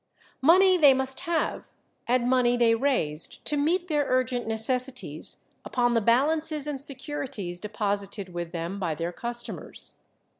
Money they must have, and money they raised to meet their urgent necessities upon the balances and securities deposited with them by their customers.